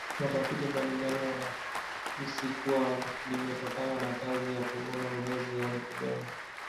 watafiti mbalimbali wanahisi kuwa limetokana na kazi ya kuvuna ulezi yaani kubena